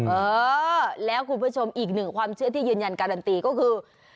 เออแล้วคุณผู้ชมอีกหนึ่งความเชื่อที่ยืนยันการันตีก็คือ